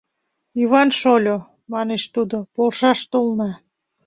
— Йыван шольо, — манеш тудо, — полшаш толна.